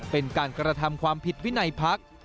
เป็นการกระทำความผิดวินัยพัก